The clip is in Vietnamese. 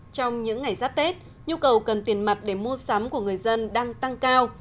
trong những ngày giáp tết nhu cầu cần tiền mặt để mua sắm của người dân đang tăng cao